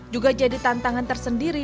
juga jadi tantangan tersendiri